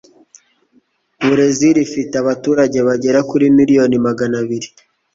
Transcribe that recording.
Burezili ifite abaturage bagera kuri miliyoni magana abiri